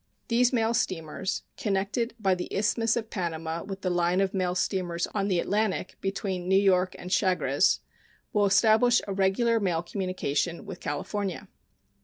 These mail steamers, connected by the Isthmus of Panama with the line of mail steamers on the Atlantic between New York and Chagres, will establish a regular mail communication with California.